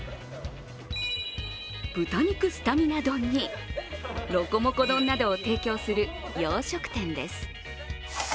豚肉スタミナ丼にロコモコ丼などを提供する洋食店です。